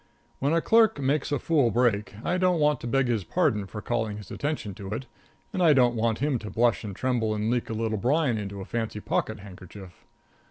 When a clerk makes a fool break, I don't want to beg his pardon for calling his attention to it, and I don't want him to blush and tremble and leak a little brine into a fancy pocket handkerchief.